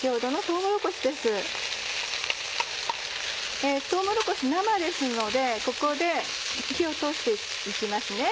とうもろこし生ですのでここで火を通して行きますね。